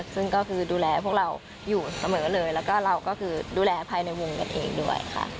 ซึ่งก็คือดูแลพวกเราอยู่เสมอเลยแล้วก็เราก็คือดูแลภายในวงกันเองด้วยค่ะ